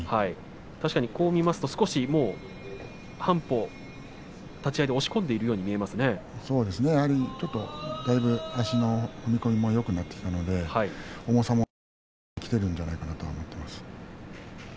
確かに見ると半歩立ち合いで押し込んでいるだいぶ足の踏み込みもよくなってきたので重さも相手に伝わってきているんじゃないかと思っています。